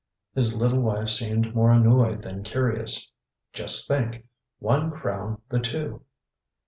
ŌĆØ His little wife seemed more annoyed than curious. ŌĆ£Just think! One crown the two!